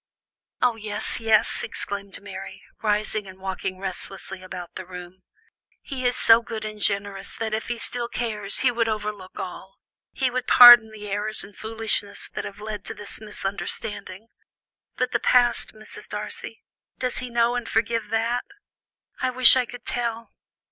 "Oh, yes, yes," exclaimed Mary, rising and walking restlessly about the room; "he is so good and generous that if he still cares, he would overlook all, he would pardon the errors and foolishness that have led to this misunderstanding but the past, Mrs. Darcy, does he know and forgive that? I wish I could tell.